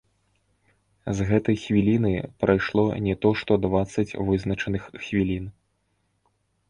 З гэтай хвіліны прайшло не то што дваццаць вызначаных хвілін!